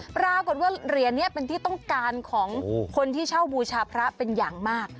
ปรากฏว่าเหรียญนี้เป็นที่ต้องการของคนที่เช่าบูชาพระเป็นอย่างมาก